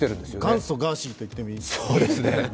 元祖ガーシーといってもいい。